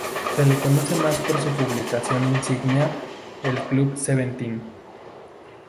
Se le conoce más por su publicación insignia, el Club Seventeen.